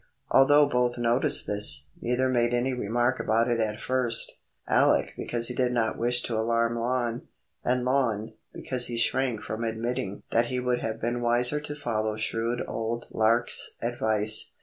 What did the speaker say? Although both noticed this, neither made any remark about it at first: Alec, because he did not wish to alarm Lon; and Lon, because he shrank from admitting that it would have been wiser to follow shrewd old Lark's advice.